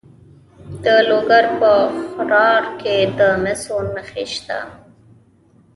د لوګر په خروار کې د مسو نښې شته.